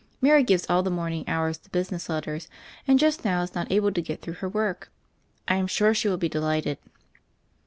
Mary gives all the morning hours to business letters, and just now is not able to ^tt through her work. I am sure she will be delighted."